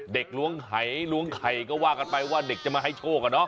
เด็กหลวงไข่หลวงไข่ก็ว่ากันไปว่าเด็กจะมาให้โชค